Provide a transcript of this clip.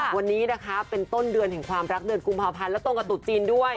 วันนี้นะคะเป็นต้นเดือนแห่งความรักเดือนกุมภาพันธ์และตรงกับตุ๊จีนด้วย